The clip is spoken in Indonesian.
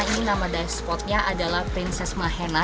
ini nama dive spotnya adalah princess mahena